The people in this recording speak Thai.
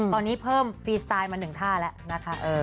ตอนนี้เพิ่มฟรีสไตล์มา๑ท่าแล้วนะคะ